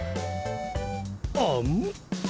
あん？